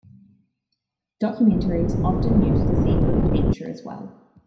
Documentaries often use the theme of adventure as well.